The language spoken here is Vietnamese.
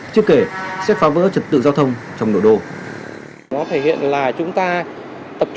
trước kể xét phá vỡ trật tự giao thông trong nội đô